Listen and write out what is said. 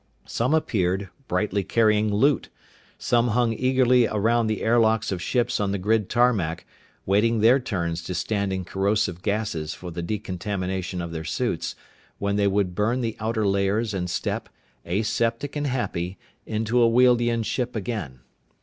Some appeared, brightly carrying loot. Some hung eagerly around the airlocks of ships on the grid tarmac, waiting their turns to stand in corrosive gases for the decontamination of their suits, when they would burn the outer layers and step, aseptic and happy, into a Wealdian ship again.